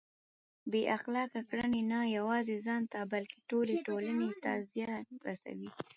بې اخلاقه کړنې نه یوازې ځان ته بلکه ټولې ټولنې ته زیان رسوي.